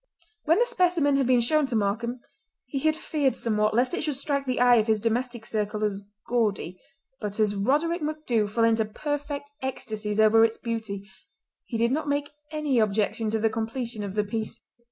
When the specimen had been shown to Markam he had feared somewhat lest it should strike the eye of his domestic circle as gaudy; but as Roderick MacDhu fell into perfect ecstasies over its beauty he did not make any objection to the completion of the piece.